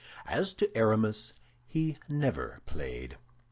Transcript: As to Aramis, he never played.